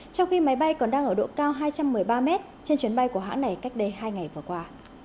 trong khi máy bay còn đang ở độ cao hai trăm một mươi ba mét trên chuyến bay của hãng này cách đây hai ngày vừa qua